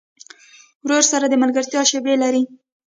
ورور سره د ملګرتیا شیبې لرې.